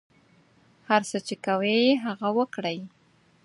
هر څه چې کوئ هغه وکړئ.